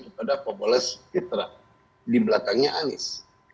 namun itu kebetulan pembaliknya adalah anis